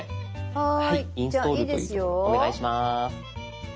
お願いします。